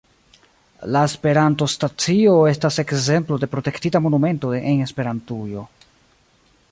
La Esperanto-Stacio estas ekzemplo de protektita monumento en Esperantujo.